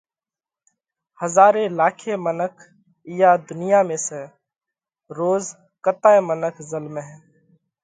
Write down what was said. ھزاري لاکي منک اِيئا ڌُنيا ۾ سئہ، روز ڪتائي منک زلمئھ